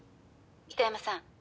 北山さん。